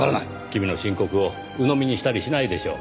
君の申告をうのみにしたりしないでしょう。